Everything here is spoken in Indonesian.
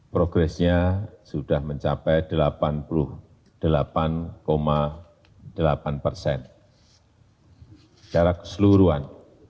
progresnya sudah mencapai delapan puluh delapan delapan persen secara keseluruhan